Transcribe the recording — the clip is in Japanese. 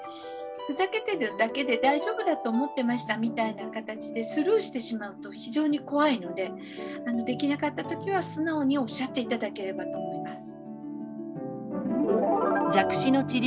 ふざけてるだけで大丈夫だと思ってましたみたいな形でスルーしてしまうと非常に怖いのでできなかった時は素直におっしゃって頂ければと思います。